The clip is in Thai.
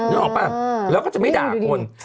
นึกออกป่ะแล้วก็จะไม่ด่าคน